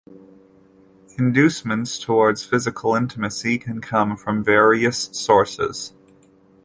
Inducements towards physical intimacy can come from various sources.